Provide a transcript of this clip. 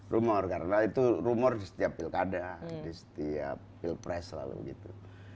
rumor karena itu rumor di setiap pilkada di setiap pilpres selalu begitu